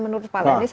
menurut pak lenis